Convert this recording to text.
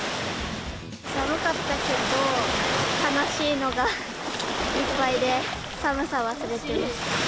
寒かったけど、楽しいのがいっぱいで、寒さ忘れてました。